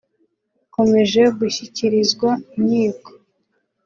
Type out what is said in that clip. bakomeje gushyikirizwa inkiko